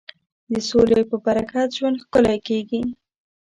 د سولې په برکت ژوند ښکلی کېږي.